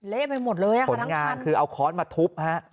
เละไปหมดเลยค่ะทั้งคันคุณงานคือเอาค้อนมาทุบ